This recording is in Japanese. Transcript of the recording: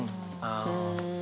うん。